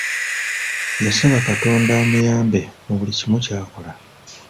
Yasaba katonda amuyambe mu buli kimu kyakola.